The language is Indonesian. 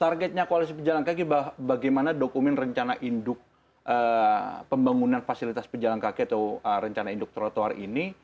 targetnya koalisi pejalan kaki bagaimana dokumen rencana induk pembangunan fasilitas pejalan kaki atau rencana induk trotoar ini